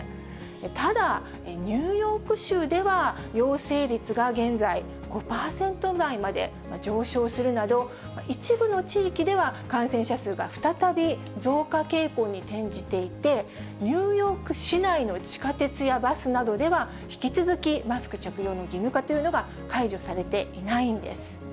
ただ、ニューヨーク州では陽性率が現在、５％台まで上昇するなど、一部の地域では感染者数が再び増加傾向に転じていて、ニューヨーク市内の地下鉄やバスなどでは、引き続きマスク着用の義務化というのが解除されていないんです。